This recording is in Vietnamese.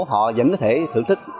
họ vẫn có thể thưởng thức